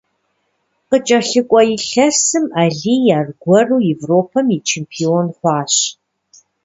КъыкӀэлъыкӀуэ илъэсым Алий аргуэру Европэм и чемпион хъуащ.